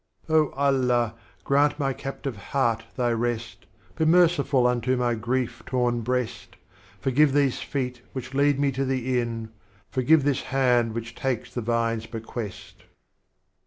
Oh Allah, grant my Captive Heart Thy Rest, Be merciful unto my grief torn Breast, Forgive these Feet which lead me to the Inn, Forgive this Hand which takes the Vine's Bequest.'